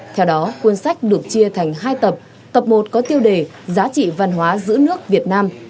theo đó cuốn sách được chia thành hai tập tập một có tiêu đề giá trị văn hóa giữ nước việt nam